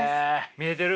見えてる？